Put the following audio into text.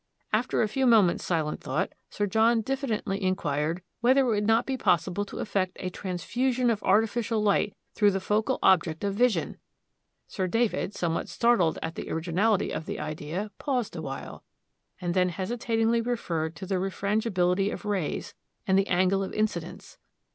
After a few moments' silent thought, Sir John diffidently inquired whether it would not be possible to effect a transfusion of artificial light through the focal object of vision! Sir David, somewhat startled at the originality of the idea, paused awhile, and then hesitatingly referred to the refrangibility of rays, and the angle of incidence....